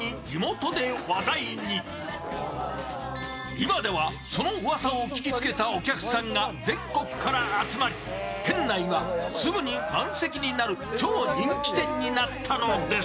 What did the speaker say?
今では、そのうわさを聞きつけたお客さんが全国から集まり店内はすぐに満席になる超人気店になったのです。